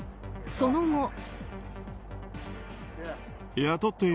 その後。